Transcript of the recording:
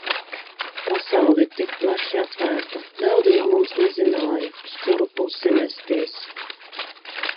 Pasaule ir tik plaši atvērta, daudzi no mums nezināja, uz kuru pusi mesties.